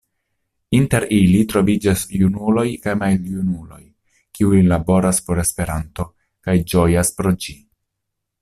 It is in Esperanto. Inter ili troviĝas junuloj kaj maljunuloj, kiuj laboras por Esperanto kaj ĝojas pro ĝi.